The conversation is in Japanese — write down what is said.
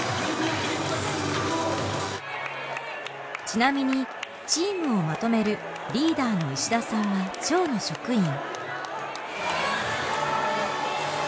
『Ｕ．Ｓ．Ａ．』ちなみにチームをまとめるリーダーの石田さんは町の職員。